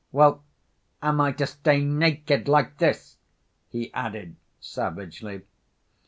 "Well, am I to stay naked like this?" he added savagely.